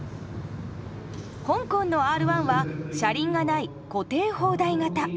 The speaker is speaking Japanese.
香港のＲ１は車輪がない固定砲台型。